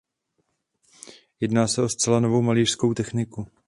Jedná se o zcela novou malířskou techniku.